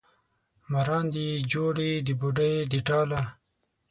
مراندې یې جوړې د بوډۍ د ټاله